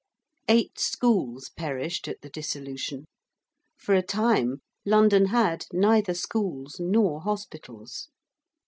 Eight schools perished at the Dissolution. For a time London had neither schools nor hospitals.